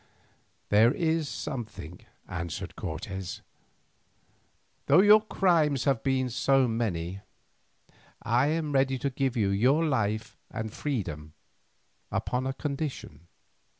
"There is something," answered Cortes. "Though your crimes have been so many, I am ready to give you your life and freedom upon a condition.